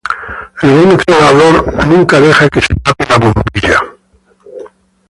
Un buen cebador nunca deja que se tape la bombilla.